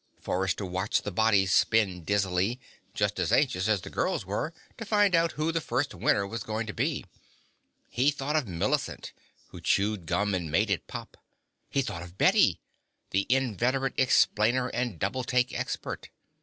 Forrester watched the body spin dizzily, just as anxious as the girls were to find out who the first winner was going to be. He thought of Millicent, who chewed gum and made it pop. He thought of Bette, the inveterate explainer and double take expert.